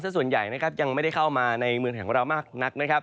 ซึ่งส่วนใหญ่ยังไม่ได้เข้ามาในเมืองแห่งเวลามากนัก